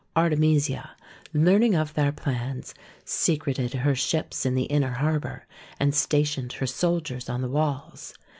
Artemisia, learning of their plans, secreted her ships in the inner harbour and stationed her soldiers on the walls.